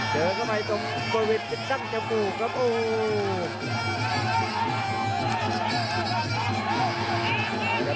กระโดยสิ้งเล็กนี่ออกกันขาสันเหมือนกันครับ